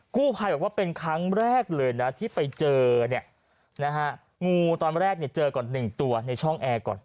ภัยบอกว่าเป็นครั้งแรกเลยนะที่ไปเจอเนี่ยนะฮะงูตอนแรกเนี่ยเจอก่อน๑ตัวในช่องแอร์ก่อน